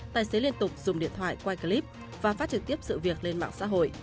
tài xế liên tục dùng điện thoại quay clip và phát trực tiếp sự việc lên mạng xã hội